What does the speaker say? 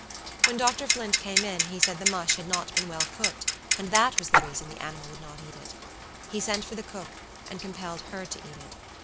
When Dr. Flint came in, he said the mush had not been well cooked, and that was the reason the animal would not eat it. He sent for the cook, and compelled her to eat it.